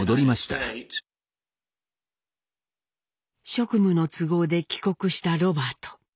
職務の都合で帰国したロバート。